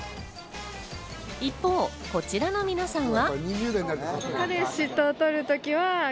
一方、こちらの皆さんは。